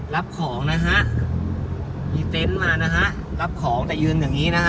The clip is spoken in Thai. รับของนะฮะมีเต็นต์มานะฮะรับของแต่ยืนอย่างงี้นะฮะ